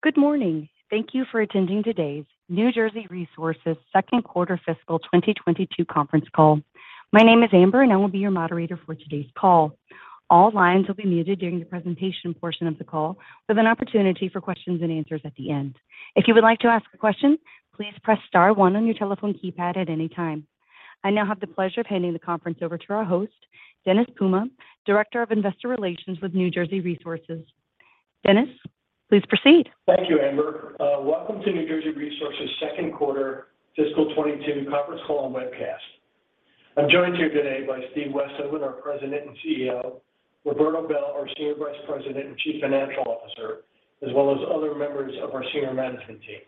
Good morning. Thank you for attending today's New Jersey Resources second quarter fiscal 2022 conference call. My name is Amber, and I will be your moderator for today's call. All lines will be muted during the presentation portion of the call, with an opportunity for questions and answers at the end. If you would like to ask a question, please press star one on your telephone keypad at any time. I now have the pleasure of handing the conference over to our host, Dennis Puma, Director of Investor Relations with New Jersey Resources. Dennis, please proceed. Thank you, Amber. Welcome to New Jersey Resources second quarter fiscal 2022 conference call and webcast. I'm joined here today by Steve Westhoven, our President and CEO, Roberto Bel, our Senior Vice President and Chief Financial Officer, as well as other members of our senior management team.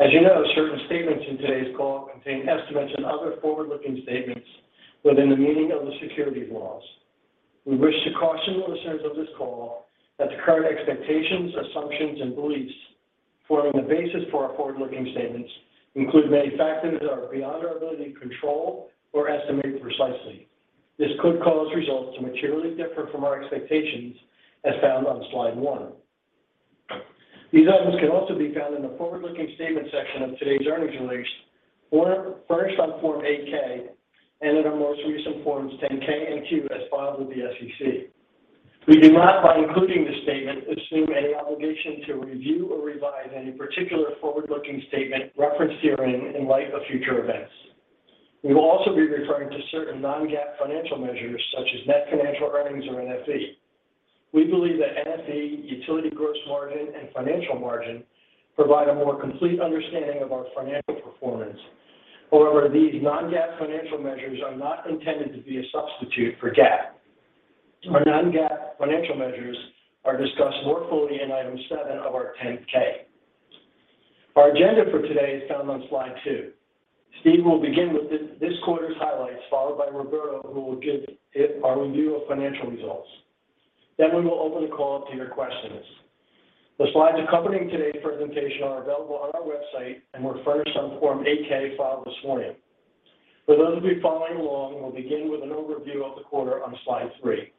As you know, certain statements in today's call contain estimates and other forward-looking statements within the meaning of the securities laws. We wish to caution listeners of this call that the current expectations, assumptions, and beliefs forming the basis for our forward-looking statements include many factors that are beyond our ability to control or estimate precisely. This could cause results to materially differ from our expectations as found on slide one. These items can also be found in the forward-looking statement section of today's earnings release, furnished on Form 8-K and in our most recent Forms 10-K and 10-Q as filed with the SEC. We do not, by including the statement, assume any obligation to review or revise any particular forward-looking statement referenced herein in light of future events. We will also be referring to certain non-GAAP financial measures, such as net financial earnings or NFE. We believe that NFE, utility gross margin, and financial margin provide a more complete understanding of our financial performance. However, these non-GAAP financial measures are not intended to be a substitute for GAAP. Our non-GAAP financial measures are discussed more fully in item seven of our 10-K. Our agenda for today is found on slide two. Steve will begin with this quarter's highlights, followed by Roberto Bel, who will give you our review of financial results. We will open the call up to your questions. The slides accompanying today's presentation are available on our website and were furnished on Form 8-K filed this morning. For those of you following along, we'll begin with an overview of the quarter on slide three.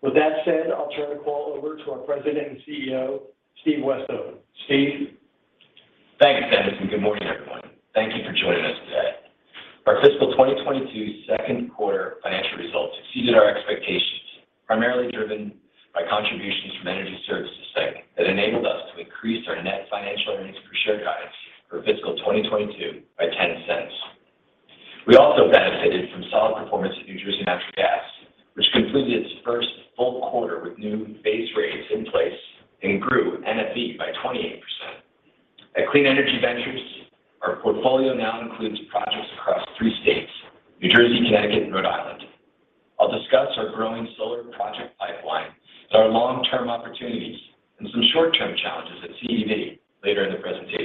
With that said, I'll turn the call over to our President and CEO, Steve Westhoven. Steve. Thanks, Dennis, and good morning, everyone. Thank you for joining us today. Our fiscal 2022 second quarter financial results exceeded our expectations, primarily driven by contributions from Energy Services segment that enabled us to increase our net financial earnings per share guidance for fiscal 2022 by $0.10. We also benefited from solid performance at New Jersey Natural Gas, which completed its first full quarter with new base rates in place and grew NFE by 28%. At Clean Energy Ventures, our portfolio now includes projects across three states, New Jersey, [Connecticut], and Rhode Island. I'll discuss our growing solar project pipeline and our long-term opportunities and some short-term challenges at CEV later in the presentation.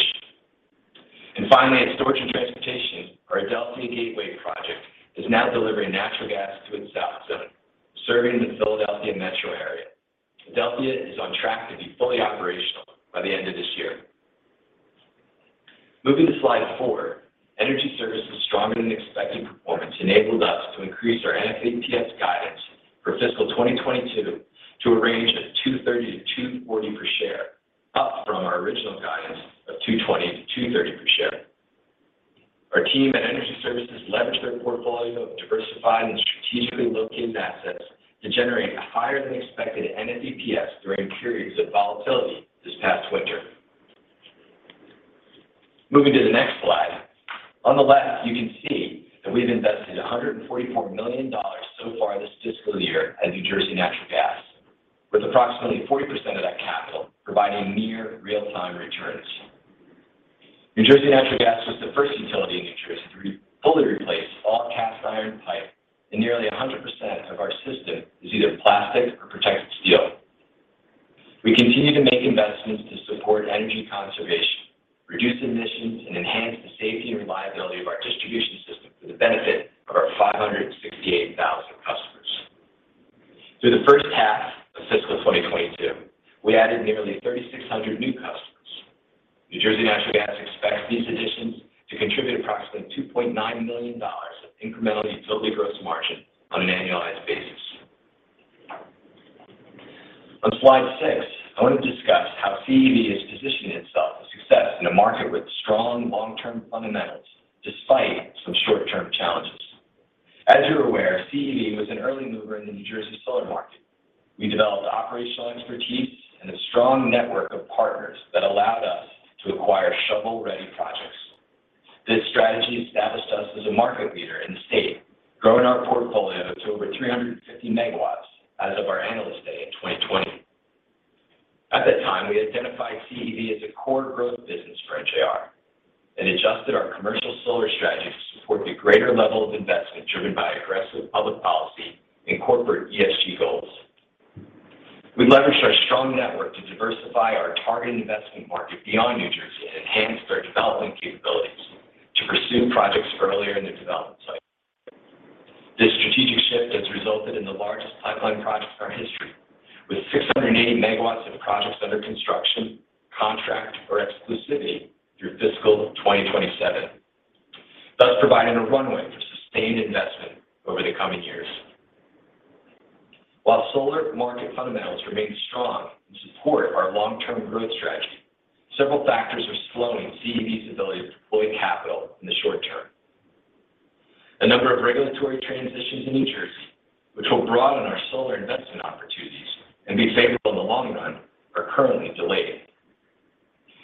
Finally, at Storage and Transportation, our Adelphia Gateway project is now delivering natural gas to its south zone, serving the Philadelphia metro area. Adelphia is on track to be fully operational by the end of this year. Moving to slide four, Energy Services' stronger-than-expected performance enabled us to increase our NFEPS guidance for fiscal 2022 to a range of $2.30-$2.40 per share, up from our original guidance of $2.20-$2.30 per share. Our team at Energy Services leveraged their portfolio of diversified and strategically located assets to generate a higher-than-expected NFEPS during periods of volatility this past winter. Moving to the next slide. On the left, you can see that we've invested $144 million so far this fiscal year at New Jersey Natural Gas, with approximately 40% of that capital providing near real-time returns. New Jersey Natural Gas was the first utility in New Jersey to fully replace all cast iron pipe, and nearly 100% of our system is either plastic or protected steel. We continue to make investments to support energy conservation, reduce emissions, and enhance the safety and reliability of our distribution system for the benefit of our 568,000 customers. Through the first half of fiscal 2022, we added nearly 3,600 new customers. New Jersey Natural Gas expects these additions to contribute approximately $2.9 million of incremental utility gross margin on an annualized basis. On slide six, I want to discuss how CEV is positioning itself for success in a market with strong long-term fundamentals despite some short-term challenges. As you're aware, CEV was an early mover in the New Jersey solar market. We developed operational expertise and a strong network of partners that allowed us to acquire shovel-ready projects. This strategy established us as a market leader in the state, growing our portfolio to over 350 MW as of our Analyst Day in 2020. At that time, we identified CEV as a core growth business for NJR and adjusted our commercial solar strategy to support the greater level of investment driven by aggressive public policy and corporate ESG goals. We leveraged our strong network to diversify our target investment market beyond New Jersey and enhanced our development capabilities to pursue projects earlier in the development cycle. This strategic shift has resulted in the largest pipeline project in our history, with 680 MW of projects under construction, contract, or exclusivity through fiscal 2027, thus providing a runway for sustained investment over the coming years. While solar market fundamentals remain strong and support our long-term growth strategy, several factors are slowing CEV's ability to deploy capital in the short term. A number of regulatory transitions in New Jersey, which will broaden our solar investment opportunities and be favorable in the long run, are currently delayed.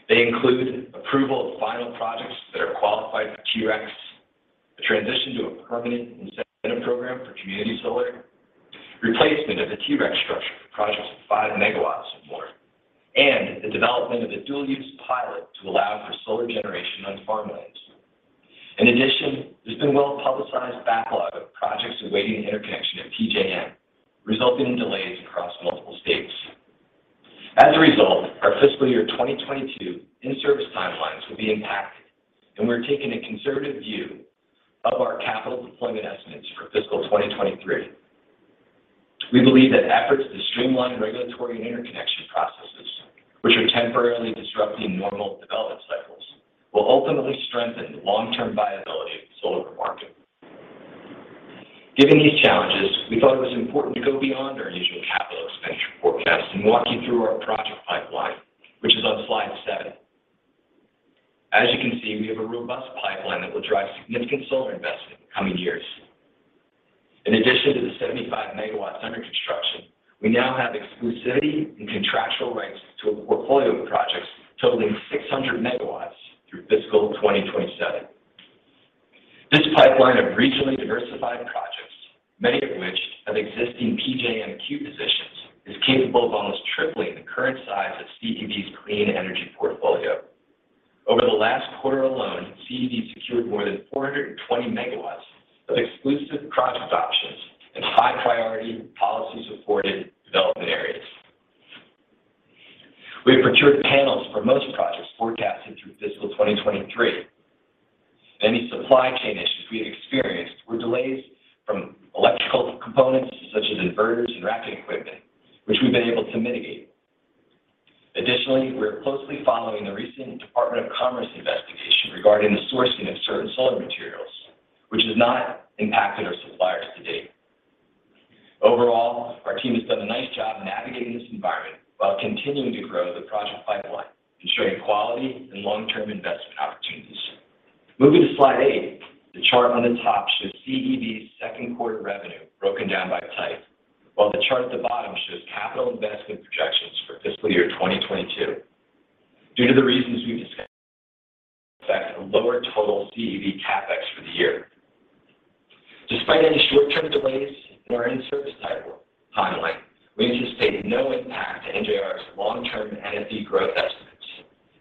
They include approval of final projects that are qualified for, a transition to a permanent incentive program for community solar, replacement of the structure for projects of 5 MW or more, and the development of a dual-use pilot to allow for solar generation on farmlands. In addition, there's been well-publicized backlog of projects awaiting interconnection at PJM, resulting in delays across multiple states. As a result, our fiscal year 2022 in-service timelines will be impacted, and we're taking a conservative view of our capital deployment estimates for fiscal 2023. We believe that efforts to streamline regulatory and interconnection processes, which are temporarily disrupting normal development cycles, will ultimately strengthen the long-term viability of the solar market. Given these challenges, we thought it was important to go beyond our usual capital expenditure forecast and walk you through our project pipeline, which is on slide seven. As you can see, we have a robust pipeline that will drive significant solar investment in coming years. In addition to the 75 MW under construction, we now have exclusivity and contractual rights to a portfolio of projects totaling 600 MW through fiscal 2027. This pipeline of regionally diversified projects, many of which have existing PJM queue positions, is capable of almost tripling the current size of CEV's clean energy portfolio. Over the last quarter alone, CEV secured more than 420 MW of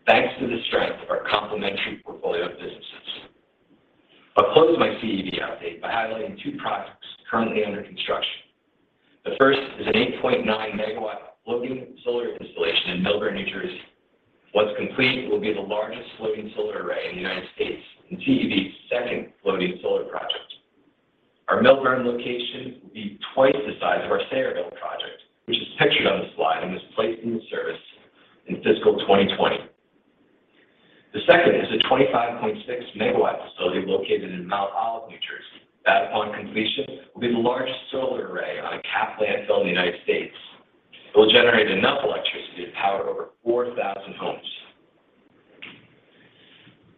thanks to the strength of our complementary portfolio of businesses. I'll close my CEV update by highlighting two projects currently under construction. The first is an 8.9-MW floating solar installation in Millburn, New Jersey. Once complete, it will be the largest floating solar array in the United States and CEV's second floating solar project. Our Millburn location will be twice the size of our Sayreville project, which is pictured on the slide and was placed in service in fiscal 2020. The second is a 25.6-MW facility located in Mount Olive, New Jersey, that upon completion will be the largest solar array on a capped landfill in the United States. It will generate enough electricity to power over 4,000 homes.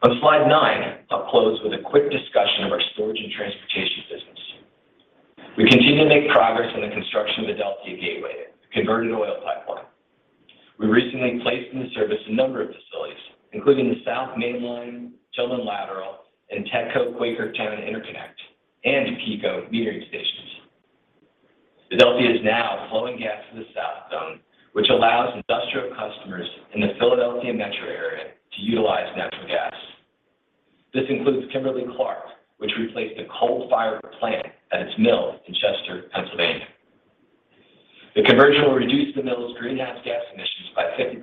On slide nine, I'll close with a quick discussion of our Storage and Transportation business. We continue to make progress in the construction of Adelphia Gateway, a converted oil pipeline. We recently placed in service a number of facilities, including the South Main Line, Tilghman Lateral, and TETCO Quakertown interconnect, and PECO metering stations. Adelphia is now flowing gas to the South Zone, which allows industrial customers in the Philadelphia metro area to utilize natural gas. This includes Kimberly-Clark, which replaced a coal-fired plant at its mill in Chester, Pennsylvania. The conversion will reduce the mill's greenhouse gas emissions by 50%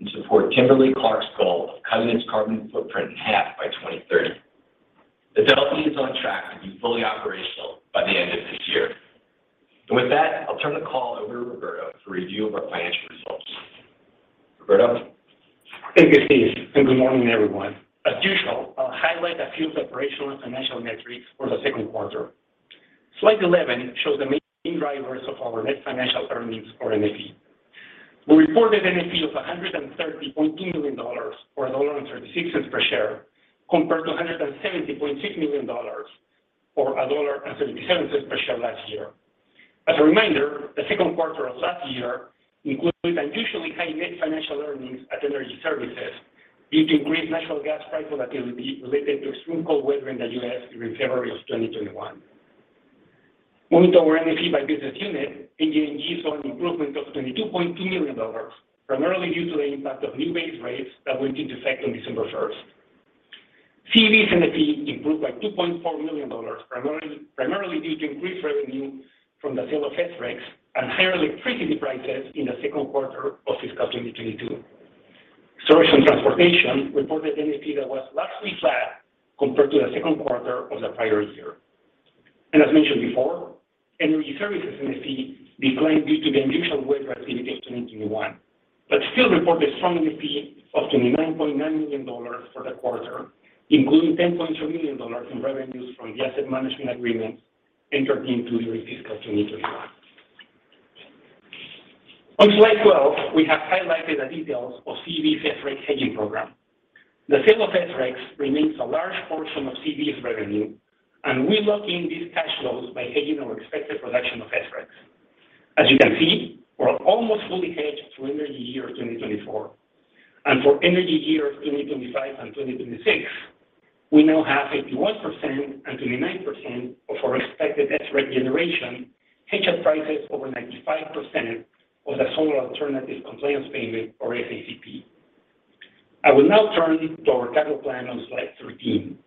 and support Kimberly-Clark's goal of cutting its carbon footprint in half by 2030. Adelphia is on track to be fully operational by the end of this year. With that, I'll turn the call over to Roberto for review of our financial results. Roberto? Thank you, Steve, and good morning, everyone. As usual, I'll highlight a few of the operational and financial metrics for the second quarter. Slide 11 shows the main drivers of our net financial earnings or NFE. We reported NFE of $130.2 million, or $1.36 per share, compared to $170.6 million, or $1.37 per share last year. As a reminder, the second quarter of last year included unusually high net financial earnings at Energy Services due to increased natural gas prices that can be related to extreme cold weather in the U.S. during February 2021. When we go over NFE by business unit, NJNG saw an improvement of $22.2 million, primarily due to the impact of new base rates that went into effect on December 1st. CEV's NFE improved by $2.4 million, primarily due to increased revenue from the sale of SRECs and higher electricity prices in the second quarter of fiscal 2022. Storage and Transportation reported NFE that was largely flat compared to the second quarter of the prior year. As mentioned before, Energy Services NFE declined due to the unusual weather activity of 2021. Still report a strong result of $29.9 million for the quarter, including $10.2 million in revenues from the asset management agreement entered into in fiscal 2021. On slide 12, we have highlighted the details of CEV's SREC hedging program. The sale of SRECs remains a large portion of CEV's revenue, and we lock in these cash flows by hedging our expected production of SRECs. As you can see, we're almost fully hedged through energy year 2024. For energy years 2025 and 2026, we now have 51% and 29% of our expected SRECs generation hedged at prices over 95% of the Solar Alternative Compliance Payment or SACP. I will now turn to our capital plan on slide 13.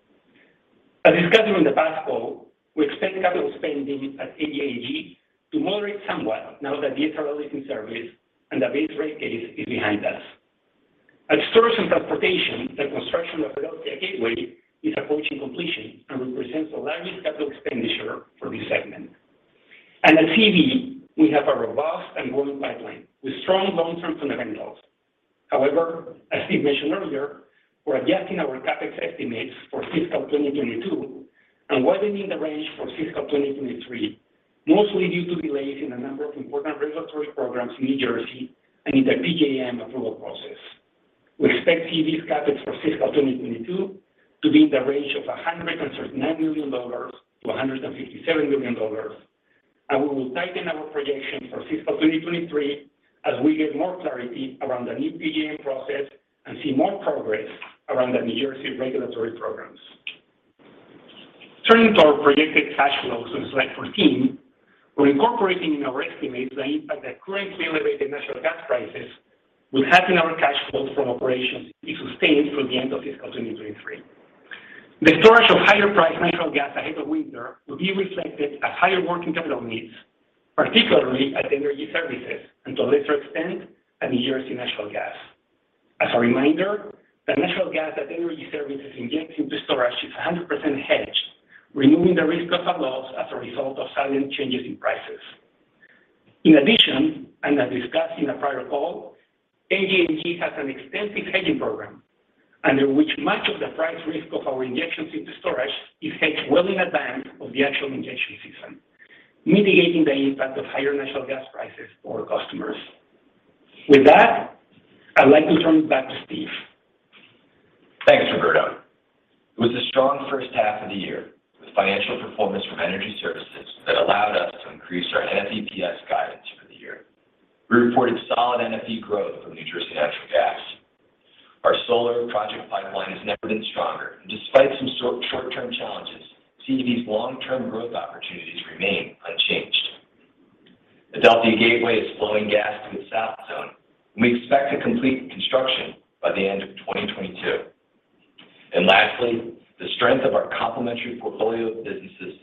As discussed during the past call, we expect capital spending at NJNG to moderate somewhat now that the interconnection line is in service and the base rate case is behind us. At Storage and Transportation, the construction of Adelphia Gateway is approaching completion and represents the largest capital expenditure for this segment. At CEV, we have a robust and growing pipeline with strong long-term fundamentals. However, as Steve mentioned earlier, we're adjusting our CapEx estimates for fiscal 2022 and widening the range for fiscal 2023, mostly due to delays in a number of important regulatory programs in New Jersey and in the PJM approval process. We expect CEV's CapEx for fiscal 2022 to be in the range of $139 million-$157 million. We will tighten our projections for fiscal 2023 as we get more clarity around the new PJM process and see more progress around the New Jersey regulatory programs. Turning to our projected cash flows on slide 14, we're incorporating in our estimates the impact that currently elevated natural gas prices will have in our cash flows from operations if sustained through the end of fiscal 2023. The storage of higher-priced natural gas ahead of winter will be reflected as higher working capital needs, particularly at Energy Services, and to a lesser extent at New Jersey Natural Gas. As a reminder, the natural gas at Energy Services injected into storage is 100% hedged, removing the risk of a loss as a result of sudden changes in prices. In addition, and as discussed in a prior call, [NJNG] has an extensive hedging program under which much of the price risk of our injections into storage is hedged well in advance of the actual injection season, mitigating the impact of higher natural gas prices for customers. With that, I'd like to turn it back to Steve. Thanks, Roberto. It was a strong first half of the year, with financial performance from Energy Services that allowed us to increase our NFEPS guidance for the year. We reported solid NFE growth from New Jersey Natural Gas. Our solar project pipeline has never been stronger. Despite some short-term challenges, CEV's long-term growth opportunities remain unchanged. Adelphia Gateway is flowing gas through the south zone, and we expect to complete construction by the end of 2022. Lastly, the strength of our complementary portfolio of businesses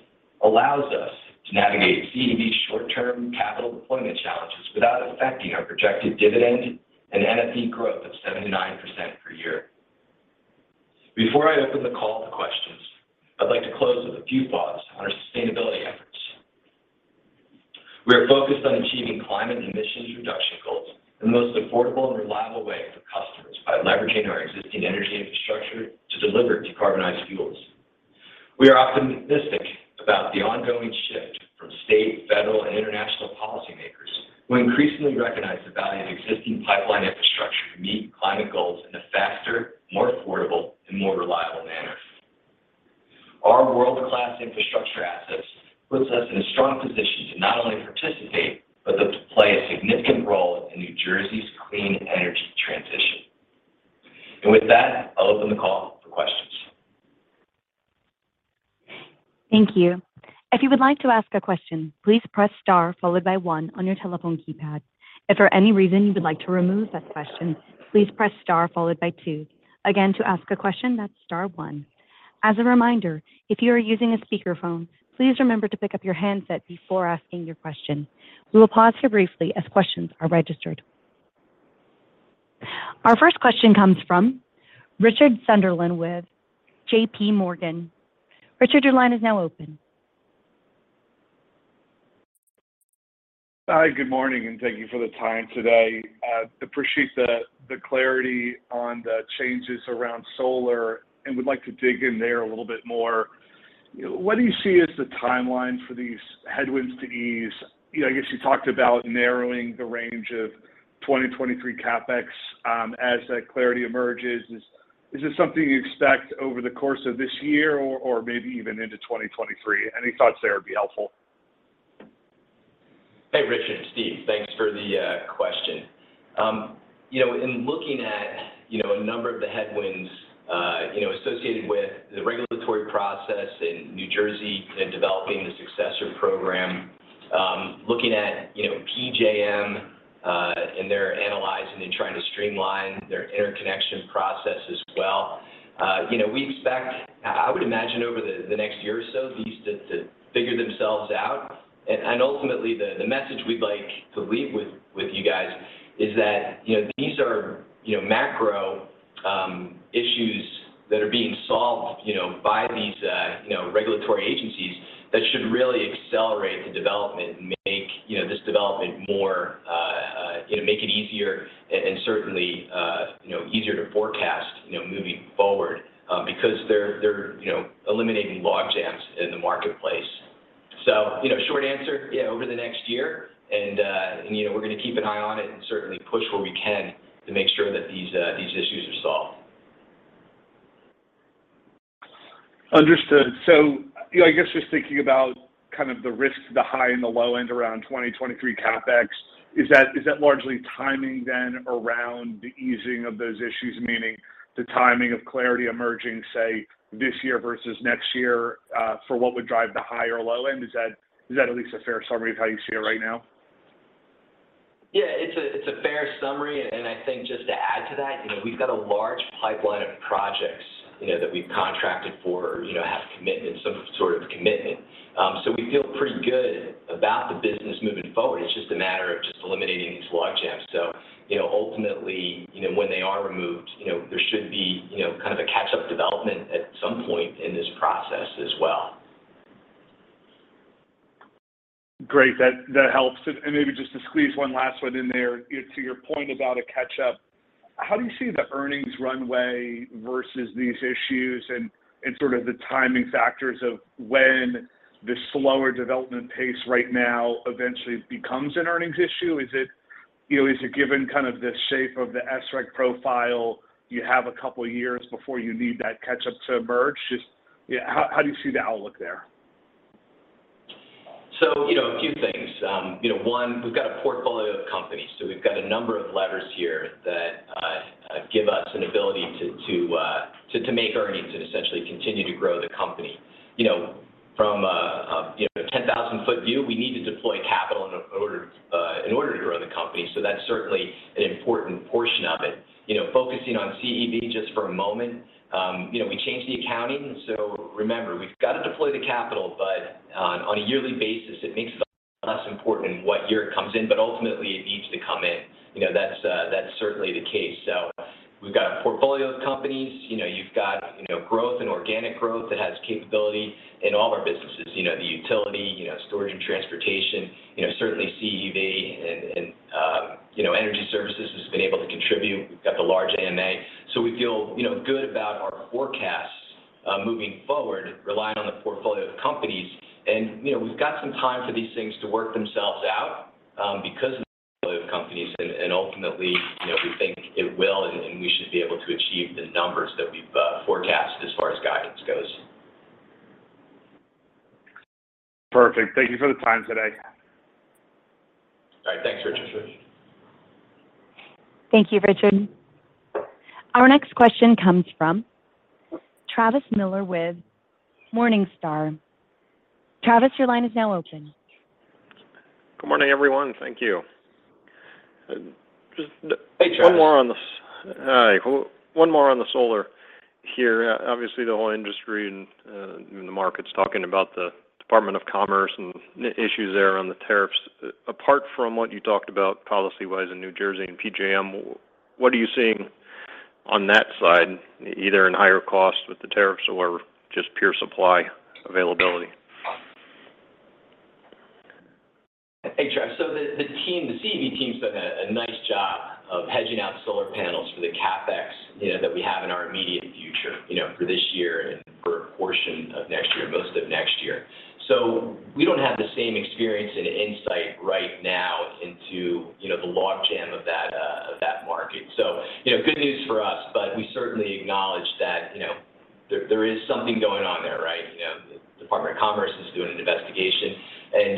allows us to navigate CEV's short-term capital deployment challenges without affecting our projected dividend and NFE growth of 7%-9% per year. Before I open the call to questions, I'd like to close with a few thoughts on our sustainability efforts. We are focused on achieving climate emissions reduction goals in the most affordable and reliable way for customers by leveraging our existing energy infrastructure to deliver decarbonized fuels. We are optimistic about the ongoing shift from state, federal, and international policymakers who increasingly recognize the value of existing pipeline infrastructure to meet climate goals in a faster, more affordable, and more reliable manner. Our world-class infrastructure assets puts us in a strong position to not only participate, but to play a significant role in New Jersey's clean energy transition. With that, I'll open the call for questions. Thank you. If you would like to ask a question, please press star followed by one on your telephone keypad. If for any reason you would like to remove that question, please press star followed by two. Again, to ask a question, that's star one. As a reminder, if you are using a speakerphone, please remember to pick up your handset before asking your question. We will pause here briefly as questions are registered. Our first question comes from Richard Sunderland with JPMorgan. Richard, your line is now open. Hi, good morning, and thank you for the time today. Appreciate the clarity on the changes around solar and would like to dig in there a little bit more. You know, what do you see as the timeline for these headwinds to ease? You know, I guess you talked about narrowing the range of 2023 CapEx, as that clarity emerges. Is this something you expect over the course of this year or maybe even into 2023? Any thoughts there would be helpful. Hey, Richard, Steve. Thanks for the question. You know, in looking at you know a number of the headwinds you know associated with the regulatory process in New Jersey in developing the successor program, looking at you know PJM and they're analyzing and trying to streamline their interconnection process as well. You know we expect I would imagine over the next year or so these to figure themselves out. Ultimately, the message we'd like to leave with you guys is that, you know, these are, you know, macro issues that are being solved, you know, by these, you know, regulatory agencies that should really accelerate the development and make it easier and certainly easier to forecast, you know, moving forward, because they're, you know, eliminating logjams in the marketplace. Short answer, yeah, over the next year. We're gonna keep an eye on it and certainly push where we can to make sure that these issues are solved. Understood. You know, I guess just thinking about kind of the risks, the high and the low end around 2023 CapEx, is that largely timing, then around the easing of those issues? Meaning the timing of clarity emerging, say, this year versus next year, for what would drive the high or low end? Is that at least a fair summary of how you see it right now? Yeah, it's a fair summary. I think just to add to that, you know, we've got a large pipeline of projects, you know, that we've contracted for, you know, have commitment, some sort of commitment. We feel pretty good about the business moving forward. It's just a matter of just eliminating these logjams. You know, ultimately, you know, when they are removed, you know, there should be, you know, kind of a catch-up development at some point in this process as well. Great. That helps. Maybe just to squeeze one last one in there. You know, to your point about a catch-up, how do you see the earnings runway versus these issues and sort of the timing factors of when the slower development pace right now eventually becomes an earnings issue? Is it, you know, given kind of the shape of the SREC profile, you have a couple years before you need that catch-up to emerge? Just, yeah, how do you see the outlook there? You know, a few things. You know, one, we've got a portfolio of companies, so we've got a number of levers here that give us an ability to make earnings and essentially continue to grow the company. You know, from a you know, 10,000-ft view, we need to deploy capital in order to grow the company. That's certainly an important portion of it. You know, focusing on CEV just for a moment, you know, we changed the accounting. Remember, we've got to deploy the capital, but on a yearly basis, it makes it less important what year it comes in. Ultimately, it needs to come in. You know, that's certainly the case. We've got a portfolio of companies. You know, you've got, you know, growth and organic growth that has capability in all of our businesses. You know, the utility, you know, Storage and Transportation, you know, certainly CEV and Energy Services has been able to contribute. We've got the large [AMA]. We feel, you know, good about our forecasts, moving forward, relying on the portfolio of companies. You know, we've got some time for these things to work themselves out, because of the portfolio of companies. Ultimately, you know, we think it will, and we should be able to achieve the numbers that we've forecast as far as guidance goes. Perfect. Thank you for the time today. All right. Thanks, Richard. Thank you, Richard. Our next question comes from Travis Miller with Morningstar. Travis, your line is now open. Good morning, everyone. Thank you. Hey, Travis. One more on the solar here. Obviously, the whole industry and the market's talking about the Department of Commerce and the issues there on the tariffs. Apart from what you talked about policy-wise in New Jersey and PJM, what are you seeing on that side, either in higher costs with the tariffs or just pure supply availability? Hey, Travis. The team, the CEV team's done a nice job of hedging out solar panels for the CapEx, you know, that we have in our immediate future, you know, for this year and for a portion of next year, most of next year. We don't have the same experience and insight right now into, you know, the logjam of that market. You know, good news for us, but we certainly acknowledge that, you know, there is something going on there, right? You know, the Department of Commerce is doing an investigation, and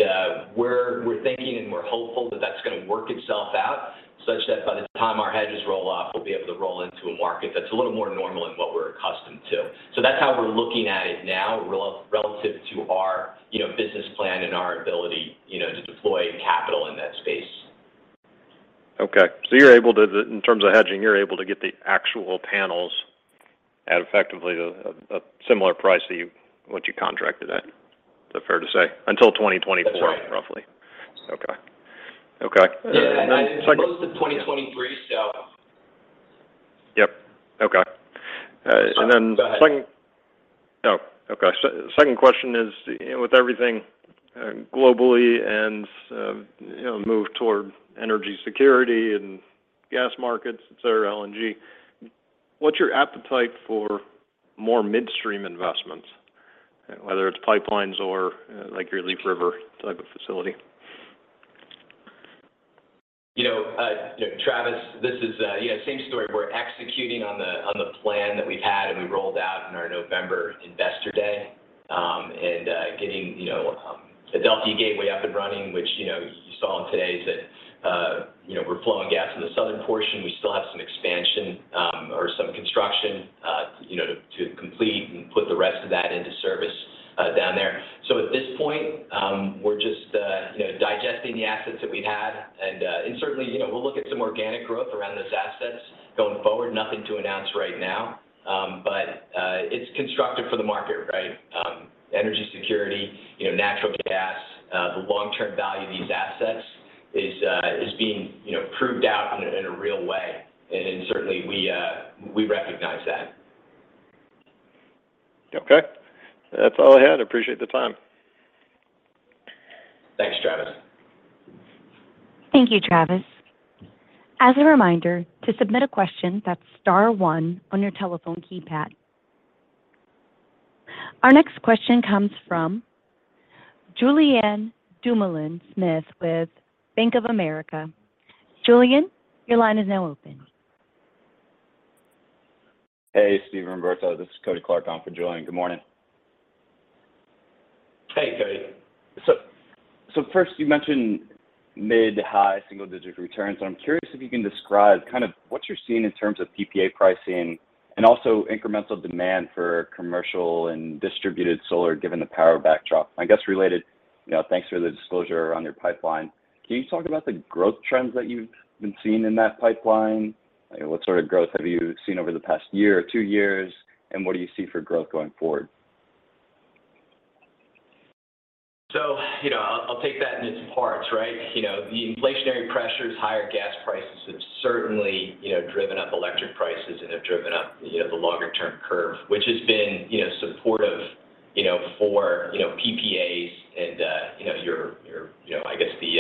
we're thinking and we're hopeful that that's gonna work itself out such that by the time our hedges roll off, we'll be able to roll into a market that's a little more normal than what we're accustomed to. That's how we're looking at it now relative to our, you know, business plan and our ability, you know, to deploy capital in that space. In terms of hedging, you're able to get the actual panels at effectively a similar price what you contracted at. Is that fair to say? Until 2024. That's right. Roughly. Okay. Okay. Yeah. And then second- Most of 2023, so. Yep. Okay. Go ahead. Oh, okay. Second question is, you know, with everything globally and, you know, move toward energy security and gas markets, et cetera, LNG, what's your appetite for more midstream investments, whether it's pipelines or, like your Leaf River type of facility? You know, you know, Travis, this is, yeah, same story. We're executing on the plan that we've had, and we rolled out in our November investor day, and getting, you know, Adelphia Gateway up and running, which, you know, you saw in today is that, you know, we're flowing gas in the southern portion. We still have some expansion or some construction, you know, to complete and put the rest of that into service down there. So at this point, we're just, you know, digesting the assets that we have. And certainly, you know, we'll look at some organic growth around those assets going forward. Nothing to announce right now. But it's constructive for the market, right? Energy security, you know, natural gas, the long-term value of these assets is being, you know, proved out in a real way. Certainly we recognize that. Okay. That's all I had. Appreciate the time. Thanks, Travis. Thank you, Travis. As a reminder, to submit a question, that's star one on your telephone keypad. Our next question comes from Julien Dumoulin-Smith with Bank of America. Julien, your line is now open. Hey, Steve and Roberto. This is Kody Clark on for Julien. Good morning. Hey, Kody. First you mentioned mid high single-digit returns, and I'm curious if you can describe kind of what you're seeing in terms of PPA pricing and also incremental demand for commercial and distributed solar given the power backdrop? I guess related, you know, thanks for the disclosure on your pipeline. Can you talk about the growth trends that you've been seeing in that pipeline? What sort of growth have you seen over the past year or two years, and what do you see for growth going forward? You know, I'll take that in its parts, right? You know, the inflationary pressures, higher gas prices have certainly, you know, driven up electric prices and have driven up, you know, the longer term curve, which has been, you know, supportive, you know, for, you know, PPAs and, you know, your, you know, I guess the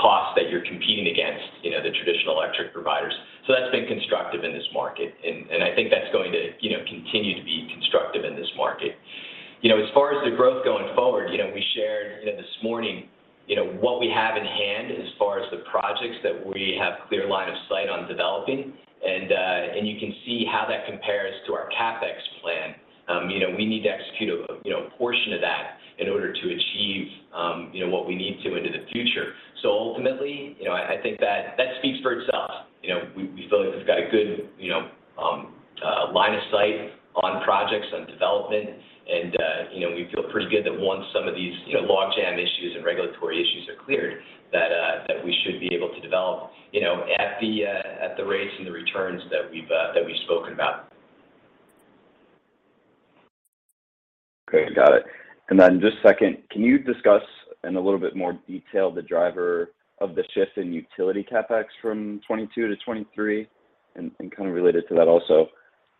cost that you're competing against, you know, the traditional electric providers. That's been constructive in this market and I think that's going to, you know, continue to be constructive in this market. You know, as far as the growth going forward, you know, we shared, you know, this morning, you know, what we have in hand as far as the projects that we have clear line of sight on developing, and you can see how that compares to our CapEx plan. You know, we need to execute a portion of that in order to achieve what we need to into the future. Ultimately, you know, I think that speaks for itself. You know, we feel like we've got a good line of sight on projects, on development and you know, we feel pretty good that once some of these log jam issues and regulatory issues are cleared, that we should be able to develop at the rates and the returns that we've spoken about. Okay. Got it. Then just second, can you discuss in a little bit more detail the driver of the shift in utility CapEx from 2022 to 2023? And kind of related to that also,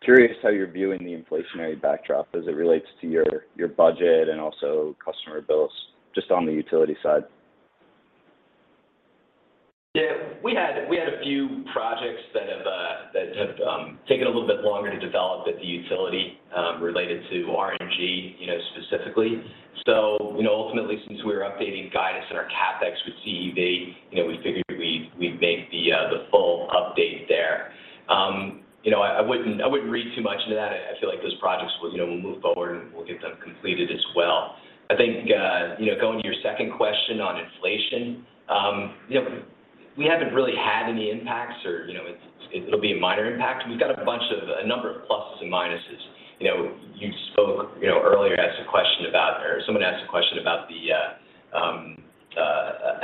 curious how you're viewing the inflationary backdrop as it relates to your budget and also customer bills, just on the utility side. Yeah. We had a few projects that have taken a little bit longer to develop at the utility, related to RNG, you know, specifically. Ultimately since we were updating guidance in our CapEx with CEV, you know, we figured we'd make the full update there. You know, I wouldn't read too much into that. I feel like those projects will, you know, move forward and we'll get them completed as well. I think, you know, going to your second question on inflation, you know, we haven't really had any impacts or, you know, it's, it'll be a minor impact. We've got a number of pluses and minuses. You know, someone asked a question about the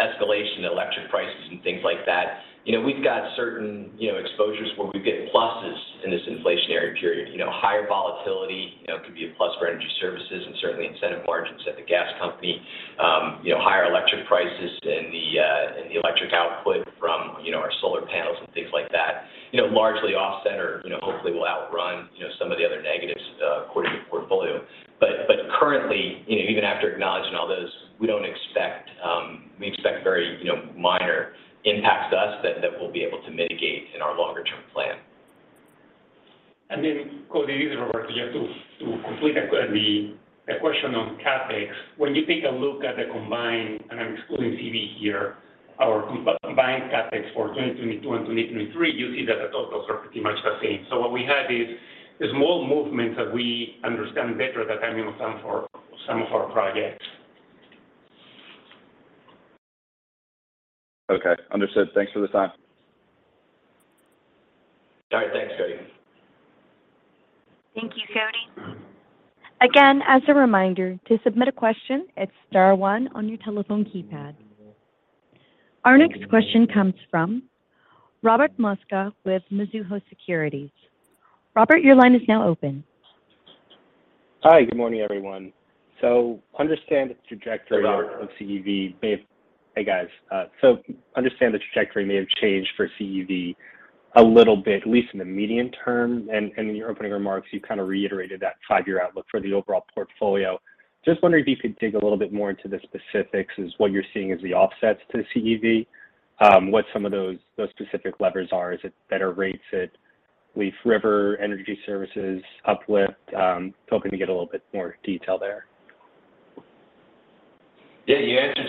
escalation of electric prices and things like that. You know, we've got certain exposures where we get pluses in this inflationary period. You know, higher volatility could be a plus for Energy Services and certainly incentive margins at the gas company. You know, higher electric prices and the electric output from our solar panels and things like that largely offset or hopefully will outrun some of the other negatives according to the portfolio. Currently, even after acknowledging all those, we expect very minor impacts to us that we'll be able to mitigate in our longer term plan. Cody, this is Roberto. Just to complete a question on CapEx. When you take a look at the combined, and I'm excluding CEV here, our combined CapEx for 2022 and 2023, you see that the totals are pretty much the same. What we had is more movement that we understand better the timing of some of our projects. Okay. Understood. Thanks for the time. All right. Thanks, Kody. Thank you, Cody. Again, as a reminder, to submit a question, it's star one on your telephone keypad. Our next question comes from Robert Mosca with Mizuho Securities. Robert, your line is now open. Hi. Good morning, everyone. Understand the trajectory. Hey, Robert. Hey, guys. So I understand the trajectory may have changed for CEV a little bit, at least in the medium term. In your opening remarks, you kind of reiterated that five-year outlook for the overall portfolio. Just wondering if you could dig a little bit more into the specifics of what you're seeing as the offsets to the CEV, what some of those specific levers are. Is it better rates at Leaf River, Energy Services uplift? Hoping to get a little bit more detail there. Yeah. You answered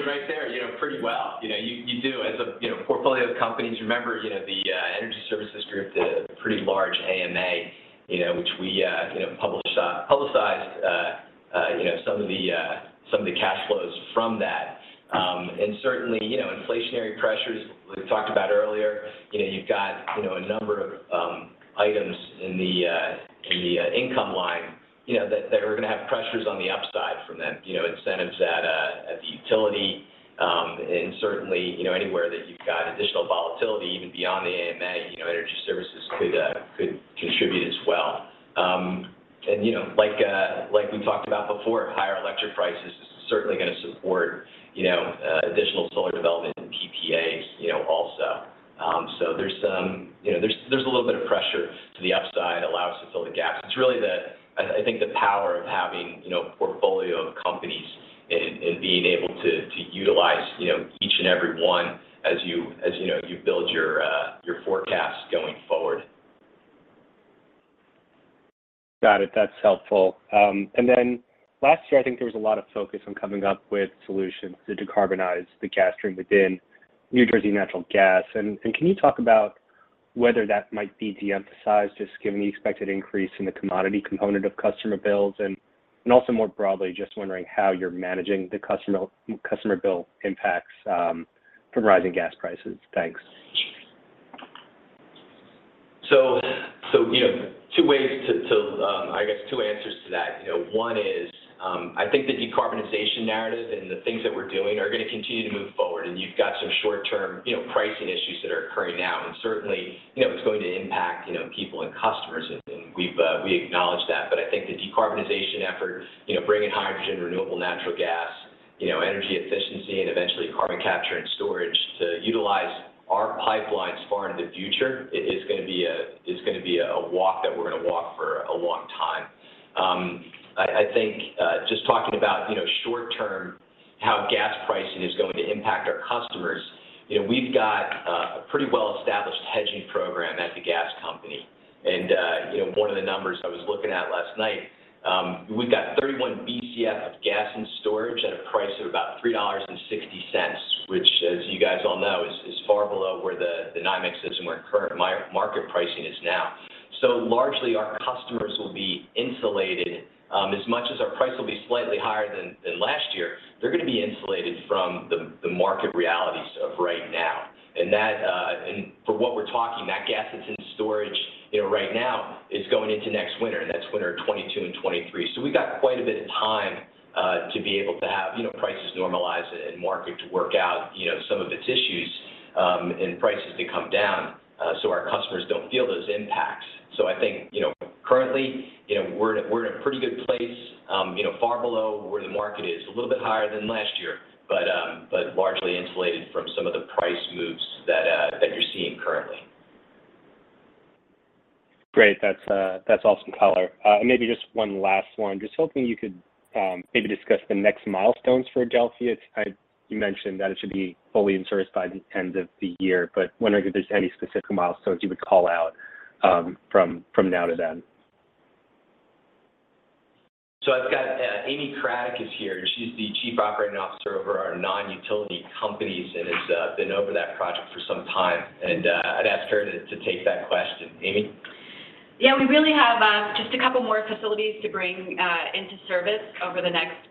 it right there, you know, pretty well. You know, you do. As a portfolio of companies, remember, the Energy Services group did a pretty large AMA, which we published, publicized some of the cash flows from that. Certainly, inflationary pressures we talked about earlier. You know, you've got a number of items in the income line that are gonna have pressures on the upside from them. You know, incentives at the utility. Certainly, anywhere that you've got additional volatility even beyond the AMA, Energy Services could contribute as well. You know, like we talked about before, higher electric prices is certainly gonna support, you know, additional solar development and PPAs, you know, also. There's a little bit of pressure to the upside allow us to fill the gaps. It's really the power of having, you know, portfolio of companies and being able to utilize, you know, each and every one as you know you build your forecast going forward. Got it. That's helpful. Last year I think there was a lot of focus on coming up with solutions to decarbonize the gas stream within New Jersey Natural Gas. Can you talk about whether that might be de-emphasized, just given the expected increase in the commodity component of customer bills? Also more broadly, just wondering how you're managing the customer bill impacts from rising gas prices. Thanks. You know, two ways to I guess two answers to that. You know, one is, I think the decarbonization narrative and the things that we're doing are gonna continue to move forward. You've got some short-term, you know, pricing issues that are occurring now. Certainly, you know, it's going to impact, you know, people and customers and we've we acknowledge that. I think the decarbonization effort, you know, bringing hydrogen, renewable natural gas, you know, energy efficiency and eventually carbon capture and storage to utilize our pipelines far into the future, it's gonna be a walk that we're gonna walk for a long time. I think, just talking about, you know, short-term, how gas pricing is going to impact our customers. You know, we've got a pretty well-established hedging program at the gas company. You know, one of the numbers I was looking at last night, we've got 31 BCF of gas in storage at a price of about $3.60, which as you guys all know, is far below where the NYMEX system or current market pricing is now. Largely our customers will be insulated, as much as our price will be slightly higher than last year. They're gonna be insulated from the market realities of right now. For what we're talking, that gas that's in storage, you know, right now is going into next winter, and that's winter 2022 and 2023. We've got quite a bit of time to be able to have, you know, prices normalize and market to work out, you know, some of its issues, and prices to come down, so our customers don't feel those impacts. I think, you know, currently, you know, we're in a pretty good place. You know, far below where the market is. A little bit higher than last year, but largely insulated from some of the price moves that you're seeing currently. Great. That's awesome color. Maybe just one last one. Just hoping you could, maybe discuss the next milestones for Adelphia. You mentioned that it should be fully in service by the end of the year, but wondering if there's any specific milestones you would call out, from now to then. I've got Amy Cradic is here. She's the Chief Operating Officer over our non-utility companies and has been over that project for some time. I'd ask her to take that question. Amy? Yeah. We really have just a couple more facilities to bring into service over the next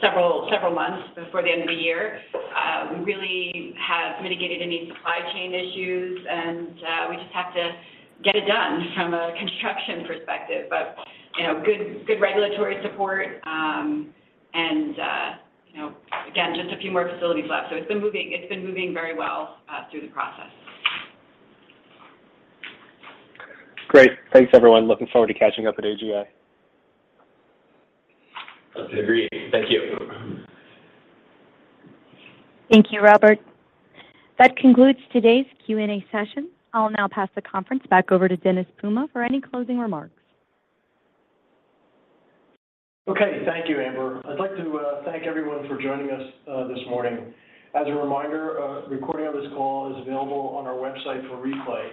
several months before the end of the year. We really have mitigated any supply chain issues, and we just have to get it done from a construction perspective. You know, good regulatory support, and you know, again, just a few more facilities left. It's been moving very well through the process. Great. Thanks everyone. Looking forward to catching up at AGA. Agreed. Thank you. Thank you, Robert. That concludes today's Q&A session. I'll now pass the conference back over to Dennis Puma for any closing remarks. Okay, thank you, Amber. I'd like to thank everyone for joining us this morning. As a reminder, a recording of this call is available on our website for replay.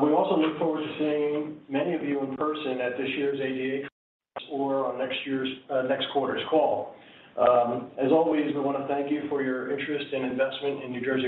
We also look forward to seeing many of you in person at this year's AGA conference or on next quarter's call. As always, we wanna thank you for your interest and investment in New Jersey-